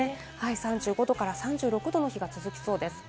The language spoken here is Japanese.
３５度から３６度の日が続きそうです。